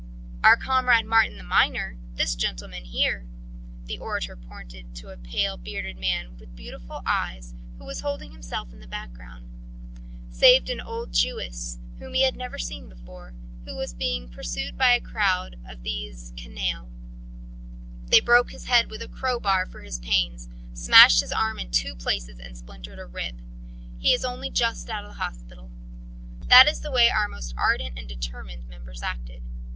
Our comrade Martin the Miner this gentleman here" the orator pointed to a pale, bearded man with beautiful eyes who was holding himself in the background "saved an old Jewess, whom he had never seen before, who was being pursued by a crowd of these canaille. They broke his head with a crowbar for his pains, smashed his arm in two places and splintered a rib. He is only just out of hospital. That is the way our most ardent and determined members acted.